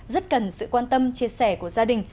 rất cần sự quan tâm chia sẻ của gia đình